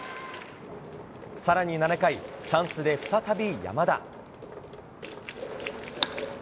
更に７回チャンスで再び山田。